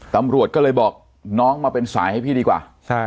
ตำรวจก็เลยบอกน้องมาเป็นสายให้พี่ดีกว่า